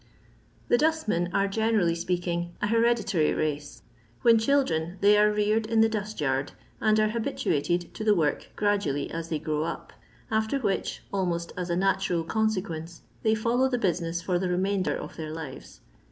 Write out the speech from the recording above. LONDON LABOUR AND THE LONDON POOR. 175 u The dottmen are, genenlly speaking, an he reditarj lace ; when children they are reared in the diut yard, and are habituated to the work gradoally as they grow up, after which, almost as a natural consequence, they follow the business for the remainder of their lives.